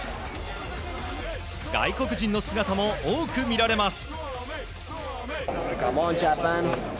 外国人の姿も多く見られます。